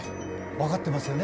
分かってますよね？